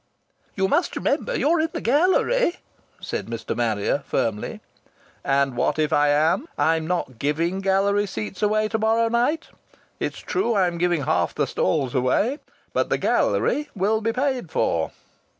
"You must remember you're in the gallery," said Mr. Marrier, firmly. "And what if I am? I'm not giving gallery seats away to morrow night. It's true I'm giving half the stalls away, but the gallery will be paid for."